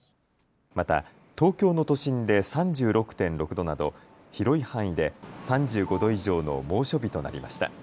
また東京の都心で３６．６度など広い範囲で３５度以上の猛暑日となりました。